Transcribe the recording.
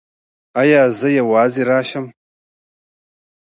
ایا زه یوازې راشم؟